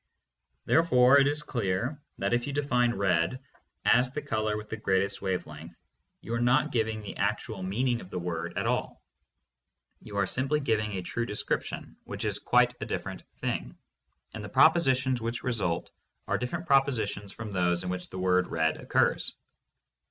Therefore it is clear that if you define "red" as "The color with the greatest wave length" you are not giving the actual meaning of the word at all ; you are simply giving a true description, which is quite a different thing, and the propositions which result are different propositions from those in which the word "red" occurs.